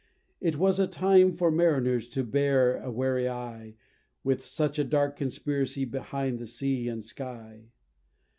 It was a time for mariners to bear a wary eye With such a dark conspiracy between the sea and sky!